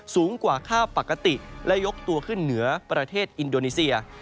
สูงกว่าค่าปกติและยกตัวขึ้นเหนือประเทศอินโดนีเซีย